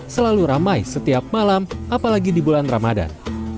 selalu ramai setiap malam apalagi di bulan ramadan